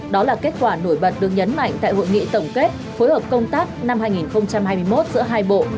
đó là kết quả nổi bật được nhấn mạnh tại hội nghị tổng kết phối hợp công tác năm hai nghìn hai mươi một giữa hai bộ